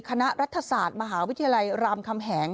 คณะรัฐศาสตร์มหาวิทยาลัยรามคำแหง